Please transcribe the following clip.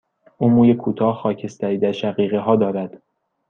او موی کوتاه، خاکستری در شقیقه ها دارد.